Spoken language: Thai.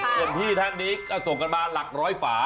ส่วนพี่ท่านนี้ก็ส่งกันมาหลักร้อยฝา